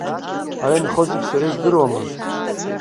Ара инхо зегь сара издыруама!